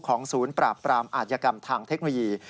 ของศูนย์ปราบปรามอาชญากรรมทางเทคโนยี